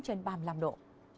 trên ba mươi năm độ